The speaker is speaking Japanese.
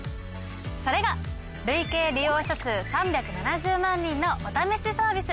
それが累計利用者数３７０万人のお試しサービス